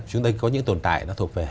chúng ta có những tồn tại nó thuộc về